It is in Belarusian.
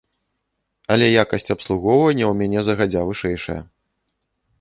Але якасць абслугоўвання ў мяне загадзя вышэйшая.